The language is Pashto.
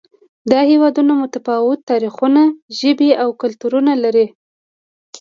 دا هېوادونه متفاوت تاریخونه، ژبې او کلتورونه لري.